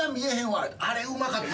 あれうまかった。